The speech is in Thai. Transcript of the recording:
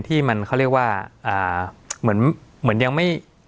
ที่มันเขาเรียกว่าเหมือนยังไม่